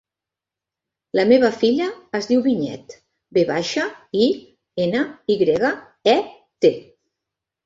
La meva filla es diu Vinyet: ve baixa, i, ena, i grega, e, te.